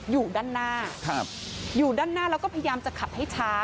อยู่ด้านหน้าอยู่ด้านหน้าแล้วก็พยายามจะขับให้ช้า